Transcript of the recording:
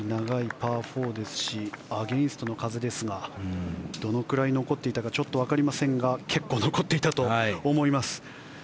パー４ですしアゲンストの風ですがどのくらい残っていたか分かりませんが結構残っていたと思います。